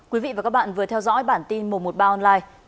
quý vị và các bạn vừa theo dõi bản tin một trăm một mươi ba online